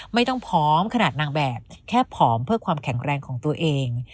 พร้อมขนาดนางแบบแค่ผอมเพื่อความแข็งแรงของตัวเอง